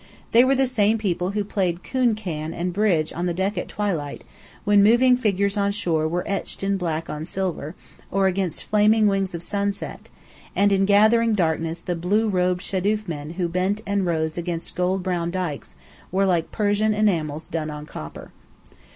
They were the same people who played "coon can" and bridge on the deck at twilight, when moving figures on shore were etched in black on silver, or against flaming wings of sunset, and in gathering darkness the blue robed shadoof men who bent and rose against gold brown dykes, were like Persian enamels done on copper.